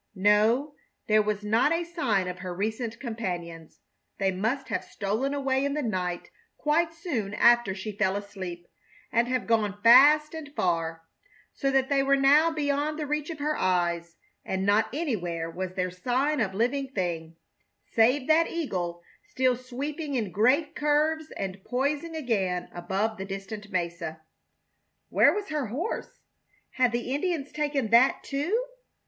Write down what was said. No, there was not a sign of her recent companions. They must have stolen away in the night quite soon after she fell asleep, and have gone fast and far, so that they were now beyond the reach of her eyes, and not anywhere was there sign of living thing, save that eagle still sweeping in great curves and poising again above the distant mesa. Where was her horse? Had the Indians taken that, too?